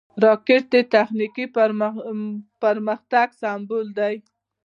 راکټ د تخنیکي پرمختګ سمبول دی